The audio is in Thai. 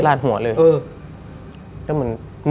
ลาดหัวเลยลาดหัวเลย